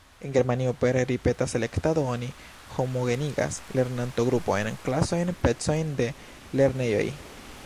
En Germanio per ripeta selektado oni homogenigas lernanto-grupojn, klasojn, pecojn de lernejoj.